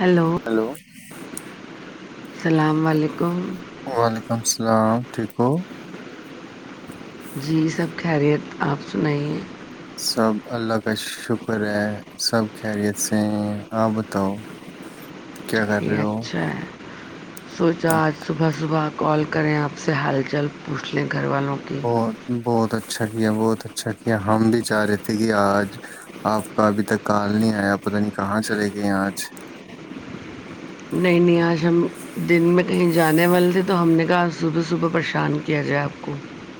Hello hello وعلیکم السلام ٹھیک ہو جی سب خیریت آپ سنائی ہیں سب اللہ کا شکر ہے سب خیریت سے آپ بتاؤ کیا ج کر رہے ہو اچھا سوچا آج صبح صبح کال کریں آپ سے ہال چال پوچھ لیں گھر والوں کی بہت بہت [inaudible] ب اچھا کیا بہت اچھا کیا ہم بھی چاہ رہے تھے کہ آج آپ کا ابھی تک کال نہیں آیا پت نہیں کہاں چلے گئے آج نہیں نہیں آج ہم دن میں کہیں جانے والے تھے تو ہم نے کہا صبح صبح پریشان کیا جائے آپ کو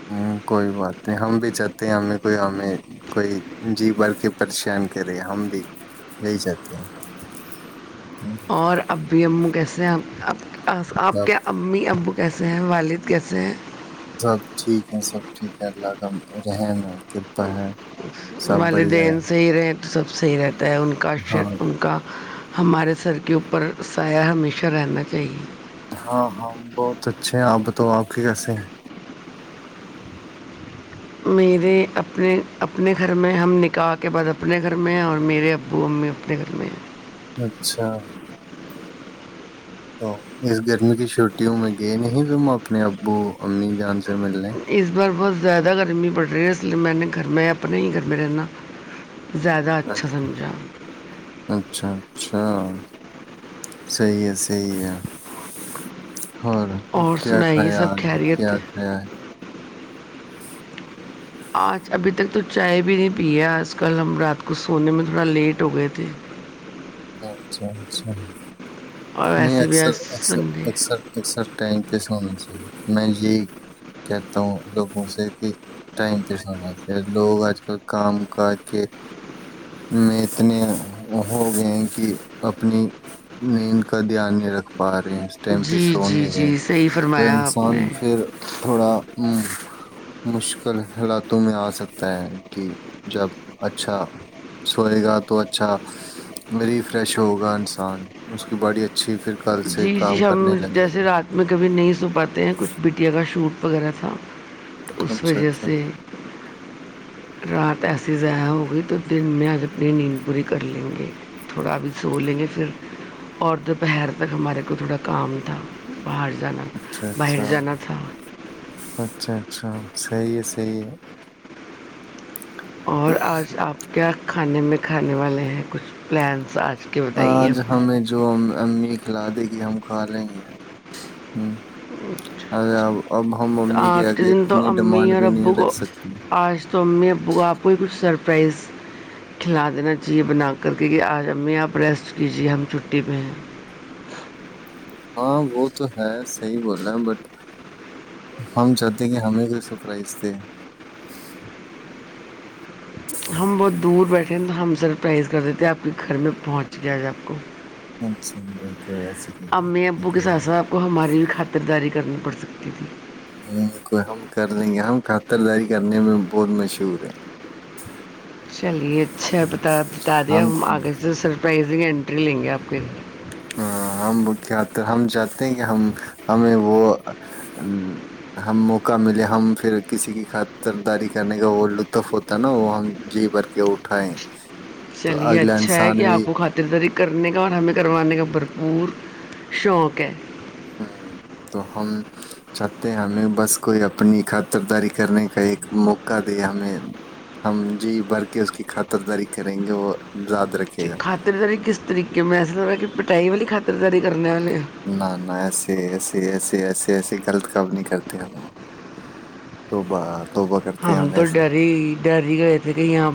ہ کوئی بات نہیں ہم بھی چاہتے ہیں ہمیں کوئی ہمیں کوئی جی بال کے پریشان کرے ہم بھی یہی چاہتے ہیں ہم اور اب [unintelligible] پی ایمو کیسے ہیں آپ اب س آپ سب کیا امی ابو کیسے ہیں والد کیسے ہیں سب ٹھیک ہے سب ٹھیک ہے اللہ کا رحم ہے کرپا ہے سب بڑھیا ہے والدین صحی رہ تو سب سیح رہات ت ان کاا شر ہاں ان کاا ہمارے سر کے اوپر سایہ ہمیشہ رہنا چاہیے ہاں ہاں بہت اچھے ہیں آپ بتا آپ کے کیسے ہیں میرے اپنے اپنے گھر میں ہم نکاح کے بعد اپنے گھر میں ہیں اور میرے ابو امی اپنے گھر میں ہیں ہیں اچھا تو اس گرمی کی چھٹی ہوں میں گئے نہیں تم اپنے ابو امی جان سے ملنے اس بار بت زیادہ گرمی بڑ رہی ہے اس لیے میں نے گرما اپنے ہی گرمی رہےا زیادہ اچھا سمجھا اچھا اچھا صحی ہے سحی ہے اور کیا سنائیے کھایا سب آج خیریت کیا کھیا ہے آج ابھی تک تو چائے بھی نہیں پ ہے آج کل ہم رات کو سونے میں تھوڑا لیٹ ہو گئے تھے اچھا اچھا اور نہیں ویسے بھی آج سنڈے ہے۔ اثررر ٹائم پیس ہونا چاہیے میں یہ کہتا ہوں لوگوں سے کہ ٹائم پیس ہونا چاہیے لوگ آج کل کام کاج کے میں اتنے ہو گئے کہ اپنی ند کا دھیان نہیں رکھ پا رہا اس ٹائم پہ جی جی سونے گے جی صحیح تو فرمایا آپ نے انسان پھر تھوڑا ہ مشکل حالاتوں میں آ سکتا ہے کہ جب اچھا سوئے گا تو اچھای فریش ہوگا انسان باڈی اچھی پھر کل سے جی کام جی ہم کرنے لگے جیسے گا رات میں کبھی نہیں سو پاتے ہیں کچھ بٹیا کا شوٹ وغیرہ تھا تو اس اچھا وجہ اچھا سے رات اییسی ضیاائع ہوگئی تو دن میں آج اپنی نیند پوری کر لیں گے تھوڑا ابھی سو لیں گے پھر اور دوپہر تب ہمارے کو تھوڑا کام تھا باہر جانا تھا اچھا باہر اچھا جانا تھا اچھا اچھا صیے صی اور آج آپ کیا کھانے میں کھانے والے ہیں کچھ پلانس آج کے بتائیے آج اپنے ہمیں جو امی کھلا دے گی ہم کھا لیں گے ہ اچھا ارے اب اب ہم اچھا ممی آج کے آگے دن تو اتنی امی ڈیمانڈ اور بھی نہیں ابو کو رکھ سکتے آج تو امی ابو کو آپ کو ہی کچھ سر پرائز کھلا دینا چاہیے بنا کر کے کہ آج امی آپ رسٹ کیجیے ہم چھٹی پہ ہیں ہاں وہ تو ہے صحی بول رہے ہیں بٹ ہم چاہتے ہیں کہ ہمیں کو سرپرائز دے ہم بہت دور بیٹھے ٹھیک تو ہم سر پرائز کر دیتے ہیں آپ کے گھر میں پہنچ گیا ہے آپ کو اچھا کوئی ایسی کوئی بات امی ابو نہیں کے کوئی ساتھ ساتھ آپ کو ہماری بھی خاطرداری کرنی پڑ سکتی تھی کو ہم کر لیں گے ہم خطرداری کرنے میں بہت مشہور ہیں چلیے اچھا بتا بتا دیا ہم آگے سرپرائز انٹری لیں گے آپ کے ہ ہم کیا ہم چاہتے ہیں کہ ہم ہمیں وہ ہم موقع ملے ہم پھر کسی کی خطرداری کرنے کا وہ لطف ہوتا ہے نا وہ ہم جی بھر کے اٹھائے چلیے اچھا ہے کہ آپ کو خاطرداری کرنے کا اور ہمیں کروانے کا بھرپور شوق ہے ہ تو ہم چاہتے ہیں ہمیں بس کوئی اپنی خطرداری کرنے کا ایک موقع دے ہمیں ہم جی بھر کے اس کی خاطرداری کریں گے وہ یاد چ رکھے گا خاطرداری کس طریق میں ایسا ل رہا کہ ائی والی خطرداری کر نہ نہ ایسے ایسیے ایسیے ایسے ایسے غلط کام نہیں کرتے ہم تو بار ہم تو ڈیری ڈیری گئے تھے کہ یہاں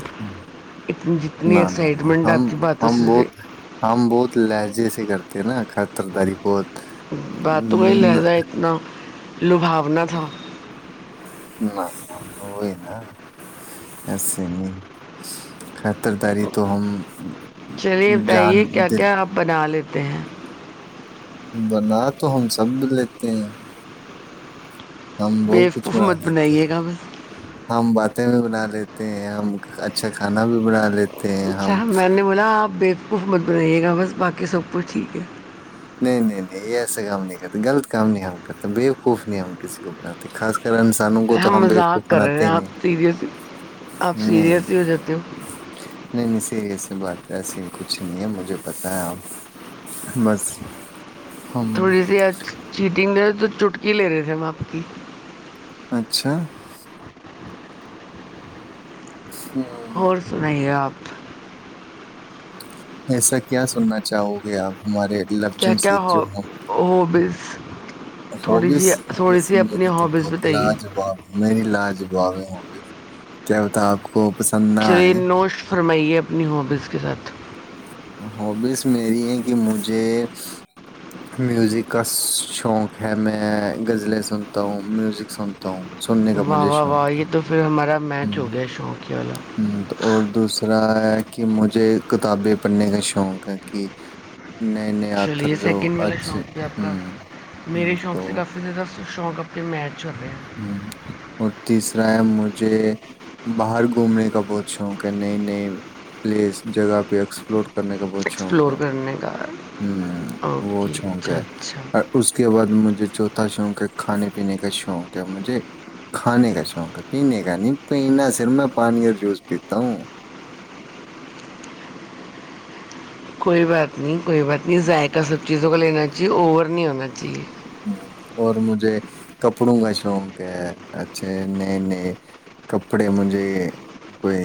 ا نہ نہ نہ ہم ہم بہت ہم بہت لہجے سے کرتے ہیں نا خطر داری پہت باتوںی ل جائے اتنا لوبھاونا تھا نہ نہ وہی ن ایس نہیں [inaudible] خطرداری تو ہم جان دیں تے ہیں بنا تو ہم سب لیتے ہیں ہم بہت کچھ بےقف بنا مت لیتے بنائیے ہیں گا بس ہم باتیں بھی بنا لیتے ہیں ہم اچھا کھانا بھی بنا لیتے ہیں اچھا ہم میں نے بولا آپ بے حکومت بنائیے گا بس باقی سب کچھ ٹھیک ہے نہیں نہیں نہیں یہ ایسا کام نہیں کرتا غلط کام نہیں ہم کرتا بےوقوف نہیں ہم کسی کو بناتے خاص کر پ انسانوں کو تو ہم بےقوف مذاق کر رہے ہیں بناتے آپ نہیں سیریس آپ نہیں نہیں سیریس ہی ہو جاتے ہو نہیں نہیں سیریس بات ایسی ہی کچھ نہیں ہے مجھے پتہ ہے آپ بس ہم تھوڑی سی چیٹنگ ہے تو چٹکی لے رہے تھے ہم آپ کی اچھا ہوں اور سنائیے آپ ایسا کیا سننا چاہو گے آپ ہمارے کیا لفظوں کیا سے ہو ہوبیز ہوبس ہوس میری تو ہابیز بہت بتائیے لاج باب میری لاج دا ہوں گے کیا بتا آپ کو پسند نہ چل آئے نوشٹ فرمائیے اپنی ہابیز کے ساتھ ہبیز میری ہے کہ مجھے میوزک کا شوق ہے میں غزلیں سنتا ہوں میوزک سن ہوں سننے کا واہ مجھے واہ واہ شوق ہے یہ تو پھر ہمارا ہ میچ ہ ہو گیا شوق والا تو اور دوسرا کہ مجھے کتابیں پڑھنے کا شوق ہے کہ نئے نئے چلیے آتھر جو سیکنڈ والا اچھے شوق سے آپ کا ہ ہ میرے شوق سے کافی زیادہ شوق اپنے میچ ہو رہ ہ اور تیسرا ہے مجھے باہر گھومنے کا بہت شوق ہے نئی نئی پلیس جگہ پہ ایکسپلور کرنے کا بہت شوق ایکسپلور ہے کرنے کا ہ وہ اوکے شوق اچھا ہے اچھا اور اس کے بعد مجھے چوتھا شوق کا کھانے پینے کا شوق مجھے کھانے کا شوق ہے پینے کا نہیں پیین صر میں پانی اور جوس پیتا ہوں کوئی بات نہیں کوئی بات نہیں ذائقہ سب چیزوں کو لینا چاہیے اوور نہیں ہونا چاہیے ہ اور مجھے کپڑوں کا شوق ہے اچھے نئے نئے کپڑے مجھے کوئی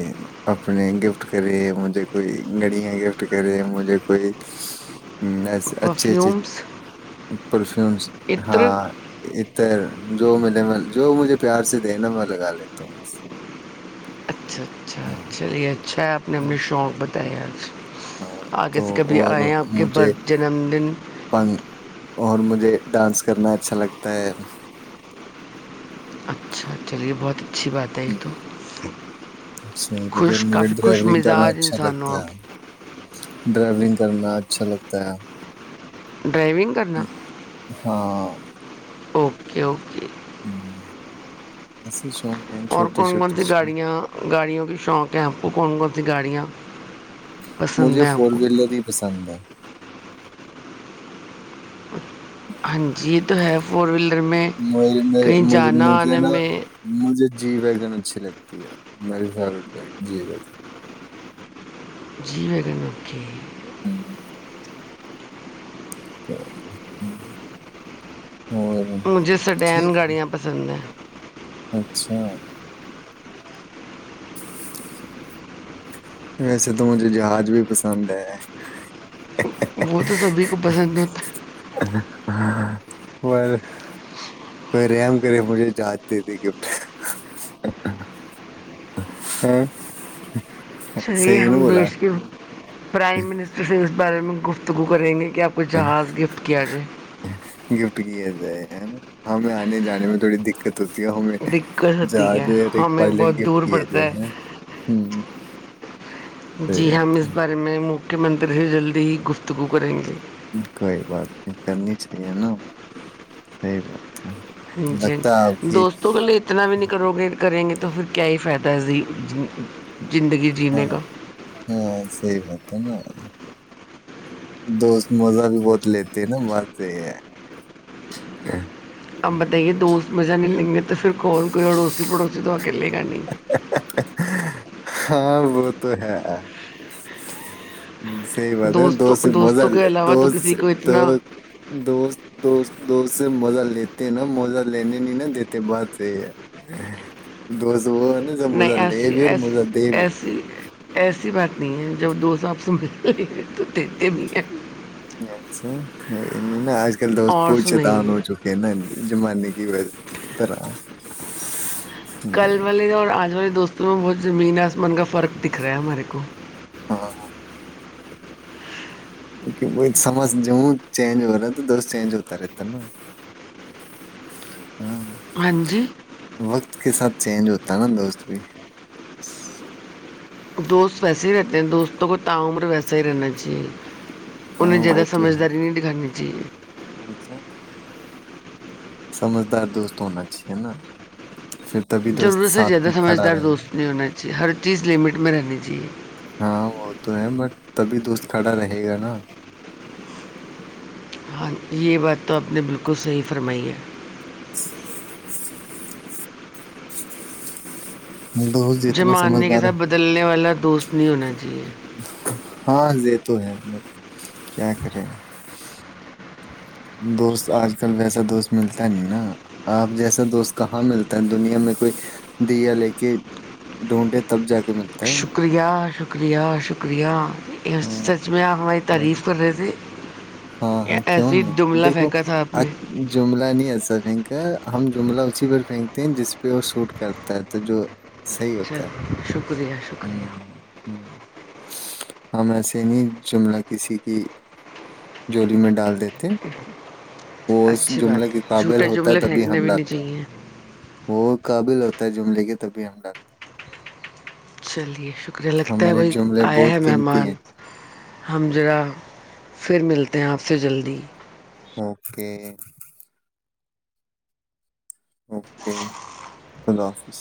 اپنے گفٹ کرے مجھے کوئی گڑیاں گفٹ کرے مجھے کوئی ہ ایسے اچھی اچھی پرفیومس پر عطر ہاں اتر جو ملے مل جو مجھے پیار سے دے نا میں لگا لیتا ہوں بس اچھا اچھا ہاں چلیے اچھا آپ ہم نے شوق بتائیں آ پ ہاں تو اور برتھ جنم دن مجھےن اور مجھے ڈانس کرنا اچھا لگتا ہے اچھا چلیے بہت اچھی بات ہے یہ تو صحیح خوش کافی خوش مزاج اچھا انسان ہو بچا آپ ہے ڈرائیونگ کرنا اچھا لگتا ہے ڈرائیونگ کرنا ہاں اوکے اوکے ہاں اور کون کون سی گاڑیاں گاڑیوں کی شوق ہے آپ کو کون کون سی گاڑیاں پسند مجھے ہیں آپ فور کو ویلر ہی پسند ہے ہاں جی تو ہے فور ویلر میں کہیں جانا مجھے آنے نا میں مجھے جی وگن اچھے لگ اں ماری سار رٹ گاری جی رہ جی ویگن اوکے [unintelligible] [unintelligible] مجھے سڈین ٹھیک گاڑیاں پسند ہیں اچھا ویسے تو مجھے جہاز بھی پسند ہے وہ تو سبھی کو پسند ہوتا ہے ہاں اور [inaudible] رم کرے مجھے جاچتے تھے گفٹ صحیح نا ہم بولا دیش کے پرائم منسٹر سے اس بار میں گفتگو کریں گے کیا آپ کوچھ جہاز گفٹ کیا جائے گفٹ کیا جائے ہے نا ہمیں آنے جانے میں تھوڑی دقت ہوتی ہے ہمیں دقت ہوتی ہے جہاز اور ایک ہمیں پائلٹ بہت گفٹ دور کیا پڑتا جائے ہے ہم، صحیح جی ہم بات اس بارے میں کے منتر سے جلدی ہی گفتگو کریں گے کوئی بات نہیں کرنی چاہیے نا صحی بات ہے ہ جی ہ لگتا ہے آپ کی دوستوں گلے اتنا بھی نہیں کرو گے کریں گے تو پھر کیا ہی فائدہ ہے اسی ہاں ہاں سی بات ہے ن دوست مزہ بھی بہت لیتے ہیں نا مارتے ہیں آپ بتائیے دوست مزہ نہیں لیں گے تو پھر کول کوئی اڑوسی پڑوسی تو کے لے کرانی ہاں وہ تو ہے ہ صحی بات ہے نا دوستوں دوست مزہ دوستوں کے علاوہ تو کسی دوست کو دو اتنا دوست دوست دوست مزہ لیتے ہیں نا موزہ لینے نہیں نا دیتے بعد سے دو نہیں ایسی ایسی بھی ایسی ایسی بات نہیں جب دوساب سے مل تو دیتے بھی ہیں اچھا نا آج کل تو اور بہت چتون ہو سنائیے چکے ہیں نا زمانے کی و طرح کل والے اور آج والے دوستوں تو میںیں بہت زمین آسمان کا فرق دکھ رہا ہے ہمارے کو ہاں وہ سمج جو ہ چینج ہو رہا تو دوست چینج ہوتا رہتا نا ہاں جی وقت کے ساتھ چینج ہوتا نا دوست بھی دوست ویسے ہی رہتے ہیں دوستوں کو تا عمر ویسا ہی رہنا چاہیے ہاں انہیں زیاد وہ تو سمجھداری نہیں دکھانیانی جی اچھا سمجھدار دوست ہونا چاہیے نا پھر تبھی دوست ضرورت سے ساتھ زیادہ میں کھڑا سمجھدار رہے گا دوست نہیں ہونا چاہیے چیز لمٹ میں رہنی چاہیے ہاں وہ تو ہیں بٹ تبھی دوست کھڑا رہے گا نا ہاں یہ بات تو آپ نے بالکل صحیح فرمائی ہے [inaudible] دوست جی جتنا ماننے کے سمجھدار ساتھ ہو- بدلنے والا دوست نہیں ہونا چاہیے ہاں یہ تو ہے کیا کرے دوست آج کل ویسا دوست ملتا نہیں نا آپ جیسا دوست کہاں ملتا ہے دنیا میں کوئی دیا لے کے ڈھونڈے تب جا کے ملتا شکریہ شکریہ شکریہ شکریہ یہ سچ میں آپ ہماری تعریف کر رہے تھے ہاں ہاں کیوں ایسے ہی نہیں جملہ دیکھو پھینکا تھا آپ نے جملہ نہیں ایسی ہی پھینکا ہم جملہ اسی پر پھینکتے ہیں جس پہ وہ سوٹ کرتا ہے تو جو صحیح چل ہوتا ہے شکریہ شکریہ شکریہ ہاں ہاں ہم ایسے نہیں جملہ کسی کی جولی میں دال دین وہ اچھی جملے بات کے ہے قابل جھوٹے ہوتا جملے تبھی پھینکنے ہم بھی نہیں ڈالتے چاہیے وہ قابل ہوتا ہے جملے کے تبھی ہم ڈالتے چلیے شکریہ ہیں لگتا ہے ہمارے بھائی جملے آیا ہے بہت قیمتی مہمان ہیں ہم ذرا پھر ملتے ہیں آپ سے جلدی اوکے اوکے اللہ حافظ